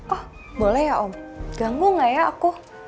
oh boleh ya om ganggu gak ya aku